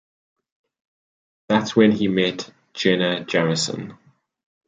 That’s when he met Jenna Jameson.